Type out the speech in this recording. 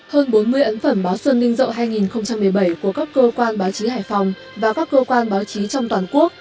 hơn bốn mươi ấn phẩm báo xuân ninh rậu hai nghìn một mươi bảy của các cơ quan báo chí hải phòng và các cơ quan báo chí trong toàn quốc